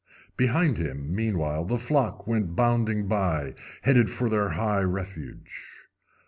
Behind him, meanwhile, the flock went bounding by, headed for their high refuge.